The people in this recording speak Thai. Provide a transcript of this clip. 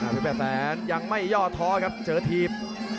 เป็นแปดแสนยังไม่ยอดท้อครับเจอทีบ